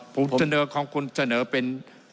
ผมเสนอของคุณเสนอเป็น